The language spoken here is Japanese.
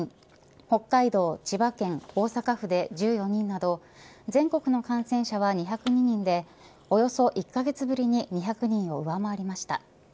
北海道、千葉県、大阪府で１４人など、全国の感染者は２０２人で、およそ１カ月ぶりに２００人を上回りました。